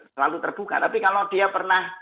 selalu terbuka tapi kalau dia pernah